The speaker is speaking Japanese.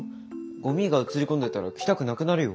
ゴミが映り込んでたら来たくなくなるよ。